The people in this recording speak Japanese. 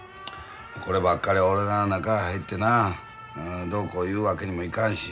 こればっかりは俺が中へ入ってなどうこう言うわけにもいかんし。